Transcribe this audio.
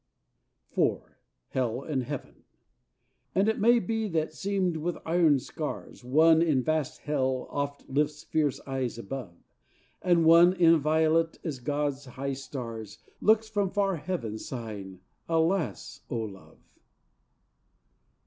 IV Hell and Heaven And it may be that, seamed with iron scars, One in vast Hell oft lifts fierce eyes above, And one, inviolate as God's high stars, Looks from far Heaven, sighing: "Alas, O love!"